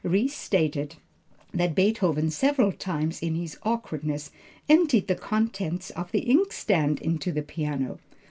Ries states that Beethoven several times in his awkwardness emptied the contents of the ink stand into the piano.